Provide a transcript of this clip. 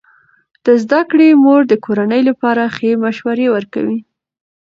د زده کړې مور د کورنۍ لپاره ښه مشوره ورکوي.